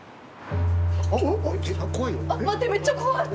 待ってめっちゃ怖い。